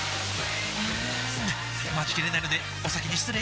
うーん待ちきれないのでお先に失礼！